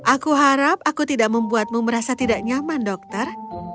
aku harap aku tidak membuatmu merasa tidak nyaman dokter